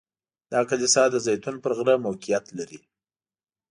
دا کلیسا د زیتون پر غره موقعیت لري.